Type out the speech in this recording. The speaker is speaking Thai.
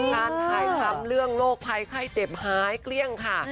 การถ่ายทำเรื่องโรคภัยไข้เจ็บหายเกลี้ยงค่ะ